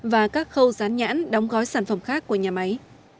và các khâu rán nhãn đóng gói sản phẩm khác của nhà máy